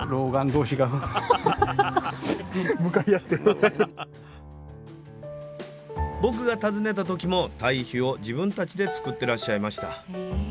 スタジオ僕が訪ねた時も「堆肥」を自分たちで作ってらっしゃいました。